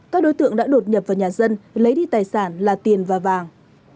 các đối tượng đã đột nhập vào nhà dân lấy đi tài sản là tiền và vàng